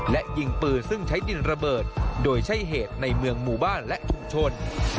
และยิงปืนซึ่งใช้ดินระเบิดโดยใช่เหตุในเมืองหมู่บ้านและชุมชน